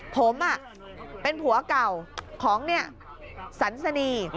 ผมเป็นผัวเก่าของสันสนี